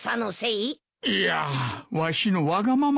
いやわしのわがままだ。